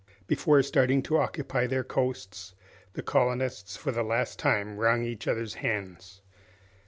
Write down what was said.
Before starting to occupy their posts, the colonists for the last time wrung each other's hands.